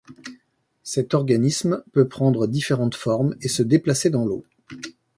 Cet organisme peut prendre différentes formes et se déplacer dans l'eau.